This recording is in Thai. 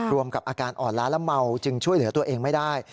กับอาการอ่อนล้าและเมาจึงช่วยเหลือตัวเองไม่ได้